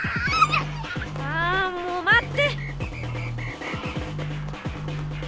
あもうまって！